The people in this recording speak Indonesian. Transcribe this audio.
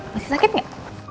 masih sakit gak